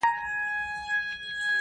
اوس حیا پکښي خرڅیږي بازارونه دي چي زیږي-